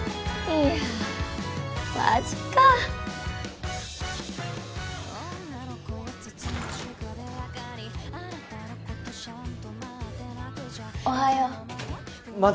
いやマジかおはようまだ？